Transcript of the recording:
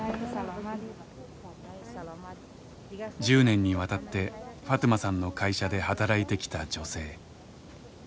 １０年にわたってファトゥマさんの会社で働いてきた女性。